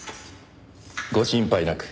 ご心配なく。